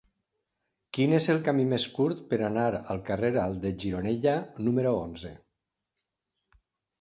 Quin és el camí més curt per anar al carrer Alt de Gironella número onze?